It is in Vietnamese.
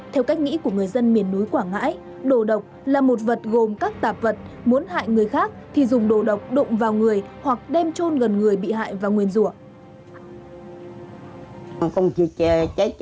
theo cách nghĩ của người dân miền núi quảng ngãi đồ độc là một vật gồm các tạp vật muốn hại người khác thì dùng đồ độc đụng vào người hoặc đem trôn gần người bị hại và nguyên rùa